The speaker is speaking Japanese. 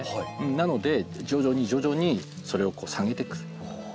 なので徐々に徐々にそれを下げてくる。